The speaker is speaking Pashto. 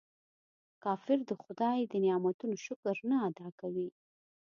کافر د خداي د نعمتونو شکر نه ادا کوي.